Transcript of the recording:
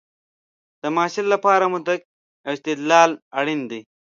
د محصل لپاره منطق او استدلال اړین دی.